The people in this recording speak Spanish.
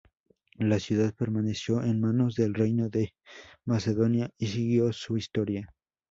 La ciudad permaneció en manos del Reino de Macedonia y siguió su historia.